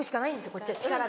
こっちは力で。